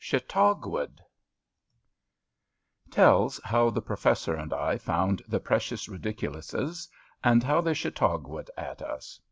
CHAUTAUQUAED Tells how the Professor and I found the Precious Bediculouses and how they Chautauquaed at us.